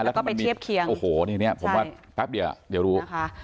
แล้วก็ไปเทียบเคียงโอ้โหนี่ผมว่าพักเดี๋ยวเดี๋ยวรู้